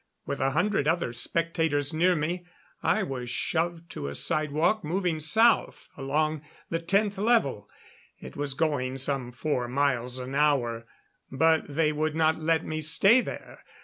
With a hundred other spectators near me I was shoved to a sidewalk moving south along the Tenth Level. It was going some four miles an hour. But they would not let me stay there.